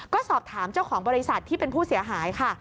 ก็สอบถามเจ้าของบริษัทที่เป็นผู้เสียหายค่ะ